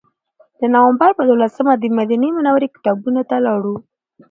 د نوامبر په دولسمه دمدینې منورې کتابتون ته لاړو.